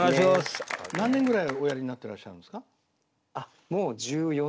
何年ぐらいおやりになってらっしゃるんですか？